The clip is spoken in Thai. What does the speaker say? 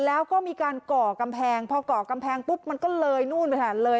แล้วก็มีการก่อกำแพงพอก่อกำแพงปุ๊บมันก็เลยนู่นไปแทนเลย